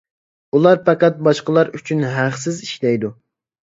ئۇلار پەقەت باشقىلار ئۈچۈن ھەقسىز ئىشلەيدۇ.